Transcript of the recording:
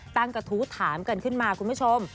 กระทู้ถามกันขึ้นมาคุณผู้ชม